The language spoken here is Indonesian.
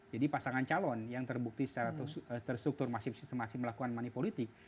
jadi pasangan calon yang terbukti secara terstruktur masih melakukan money politik